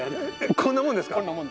こんなもんです。